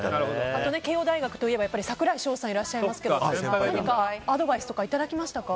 あと慶應大学といえば櫻井翔さんがいらっしゃいますが何かアドバイスとかいただきましたか？